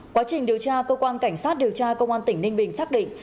quá trình điều tra cơ quan cảnh sát điều tra công an tỉnh ninh bình xác định